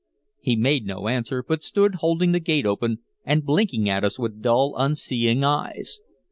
He made no answer, but stood holding the gate open and blinking at us with dull, unseeing eyes.